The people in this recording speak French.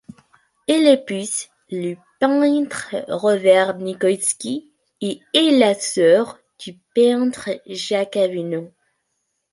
Elle épouse le peintre Robert Nicoïdski et est la sœur du peintre Jacques Abinun.